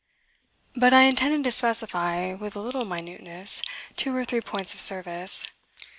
But I intended to specify, with a little minuteness, two or three points of service.